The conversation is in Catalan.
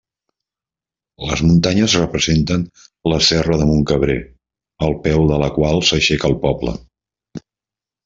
Les muntanyes representen la serra de Montcabrer, al peu de la qual s'aixeca el poble.